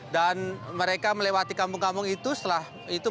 dan mereka melewati kampung kampung itu setelah itu mereka memasuki